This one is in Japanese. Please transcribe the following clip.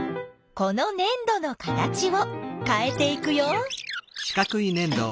このねん土の形をかえていくよ。